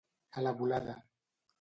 A la volada.